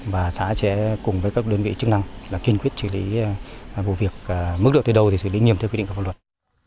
và xã sẽ cùng với các đơn vị chức năng là kiên quyết xử lý vụ việc mức độ tới đâu thì xử lý nghiêm theo quy định của pháp luật